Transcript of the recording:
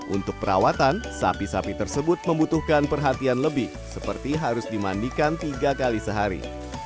untuk perawatan sapi sapi tersebut membutuhkan perhatian lebih seperti harus dimandikan tiga kali sehari